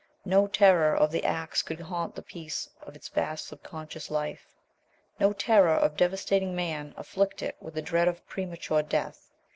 No terror of the axe could haunt the peace of its vast subconscious life, no terror of devastating Man afflict it with the dread of premature death.